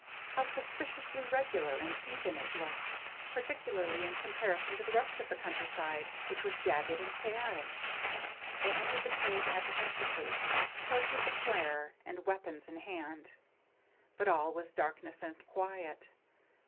How suspiciously regular and even it looked, particularly in comparison to the rest of the countryside which was jagged and chaotic. They entered the cave apprehensively, torches aflare and weapons in hand. But all was darkness and quiet.